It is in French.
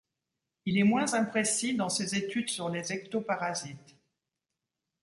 Il est moins imprécis dans ses études sur les ectoparasites.